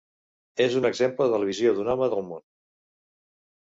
És un exemple de la visió d'un home, del món.